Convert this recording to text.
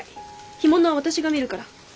干物は私が見るから。